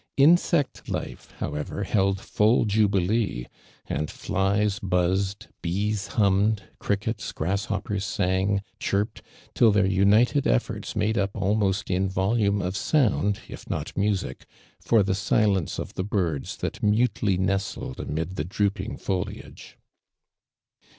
Insect life, however, held full jubilee, and flies buzzed, bees hummed, crickets, grasshoppers sang, chirped, till their united eflbrts made up almost in volume of sound, if not nnisic, for the silence of the birds that mutely nestled amid the drooping foliage.